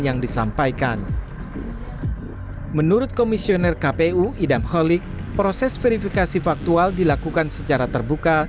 yang disampaikan menurut komisioner kpu idam holik proses verifikasi faktual dilakukan secara terbuka